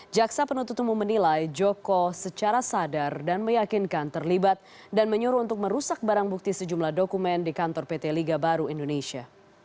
jaksa penuntut umum menilai joko secara sadar dan meyakinkan terlibat dan menyuruh untuk merusak barang bukti sejumlah dokumen di kantor pt liga baru indonesia